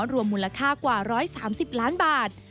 รวมมูลค่ากว่า๑๓๐ล้านบาท